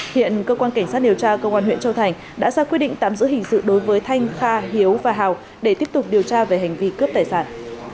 hiện cơ quan cảnh sát điều tra công an huyện châu thành đã ra quyết định tạm giữ hình sự đối với thanh kha hiếu và hào để tiếp tục điều tra về hành vi cướp tài sản